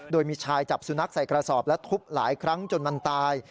โดยมีชายจับสุนัขใส่กระสอบและทุบหลายครั้งจนมันตาย